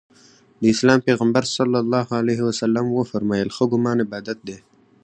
د اسلام پیغمبر ص وفرمایل ښه ګمان عبادت دی.